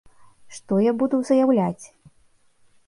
Што я буду заяўляць?